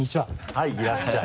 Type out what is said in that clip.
はいいらっしゃい。